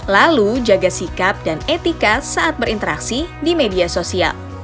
lalu jaga sikap dan etika saat berinteraksi di media sosial